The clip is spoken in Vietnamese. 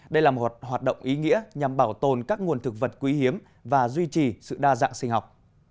đây là một hoạt động ý nghĩa nhằm bảo tồn các nguồn thực vật quý hiếm và duy trì sự đa dạng sinh học